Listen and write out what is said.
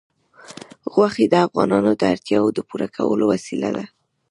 غوښې د افغانانو د اړتیاوو د پوره کولو وسیله ده.